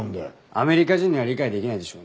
アメリカ人には理解できないでしょうね。